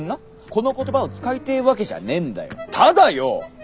この言葉を使いてーわけじゃあねーんだよ。